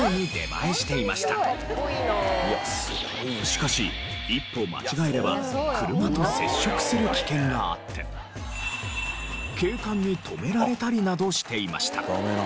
しかし一歩間違えれば車と接触する危険があって警官に止められたりなどしていました。